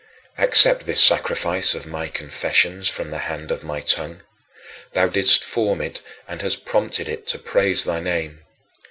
Accept this sacrifice of my confessions from the hand of my tongue. Thou didst form it and hast prompted it to praise thy name.